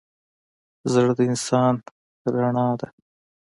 زړه د انسان رڼا ده.